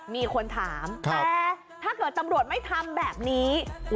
มีคนถามแต่ถ้าเกิดตำรวจไม่ทำแบบนี้